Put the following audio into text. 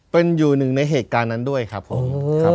เป็นอยู่หนึ่งในเหตุการณ์นั้นด้วยครับผมครับ